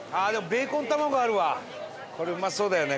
これうまそうだよね。